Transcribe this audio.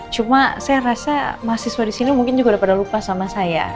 cuma saya rasa mahasiswa di sini mungkin juga udah pada lupa sama saya